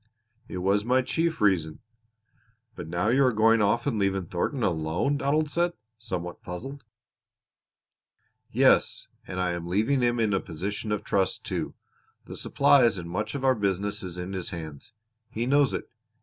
"It was my chief reason." "But now you are going off and leaving Thornton alone," Donald said, somewhat puzzled. "Yes, and I am leaving him in a position of trust, too. The supplies and much of our business is in his hands. He knows it.